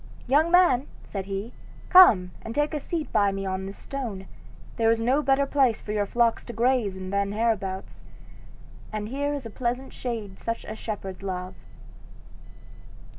"Young man," said he, "come and take a seat by me on this stone. There is no better place for your flocks to graze in than hereabouts, and here is a pleasant shade such as shepherds love."